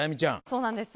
そうなんです